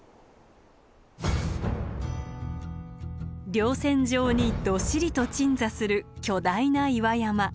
稜線上にドシリと鎮座する巨大な岩山。